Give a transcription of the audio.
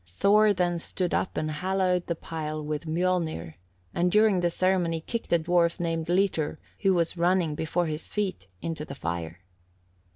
Thor then stood up and hallowed the pile with Mjolnir, and during the ceremony kicked a dwarf named Litur, who was running before his feet, into the fire.